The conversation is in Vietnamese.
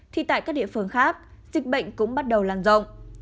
thì tại các địa phương khác dịch bệnh cũng bắt đầu lan rộng